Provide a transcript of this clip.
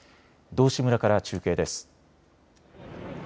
道志村から中継です。